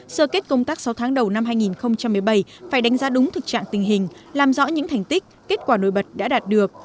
sơ kết công tác sáu tháng đầu năm hai nghìn một mươi bảy phải đánh giá đúng thực trạng tình hình làm rõ những thành tích kết quả nổi bật đã đạt được